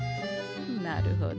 なるほど。